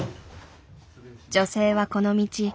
女性はこの道